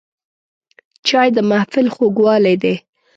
چای د محفل خوږوالی دی